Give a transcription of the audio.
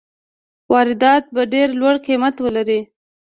واردات به ډېر لوړ قیمت ولري.